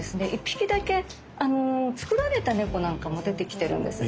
１匹だけ作られた猫なんかも出てきてるんです。